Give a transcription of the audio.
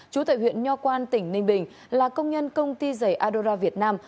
trú tại huyện nho quan tỉnh ninh bình là công nhân công ty giấy adora việt nam